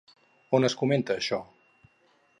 On es comenta això?